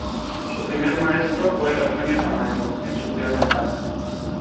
Su primer maestro fue Eugenio Tamayo, en su ciudad natal.